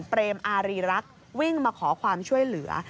เปรมอารีรักษ์วิ่งมาขอความช่วยเหลือ